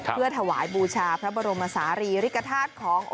เพื่อถวายบูชาพระบรมศาลีริกฐาตุของ